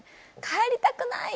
「帰りたくない！」